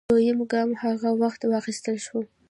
دویم ګام هغه وخت واخیستل شو